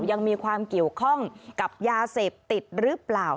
ยังมีความเกี่ยวข้องกับยาเสพติดหรือเปล่า